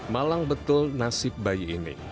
malang betul nasib bayi ini